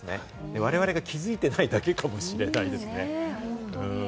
我々が気づいていないだけかもしれないですね。